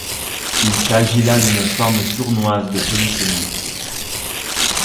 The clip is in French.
Il s'agit là d'une forme sournoise de polysémie.